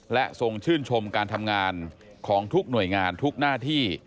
และทรงชื่นชมการทำงานของทุกหน่วยงานทุกหน้าที่